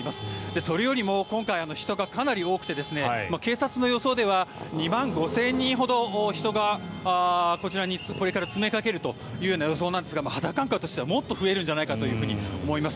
それよりも今回人がかなり多くて警察の予想では２万５０００人ほどの人がこちらにこれから詰めかけるという予想なんですが肌感覚としてはもっと増えるんじゃないかと思います。